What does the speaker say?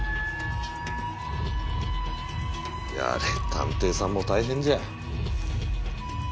やれ探偵さんも大変じゃ。